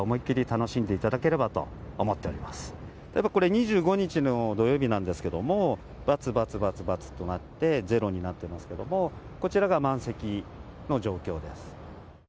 ２５日の土曜日なんですけどバツバツバツとなって０になっていますがこちらが満席の状況です。